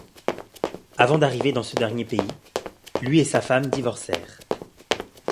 Avant d'arriver dans ce dernier pays, lui et sa femme divorcèrent.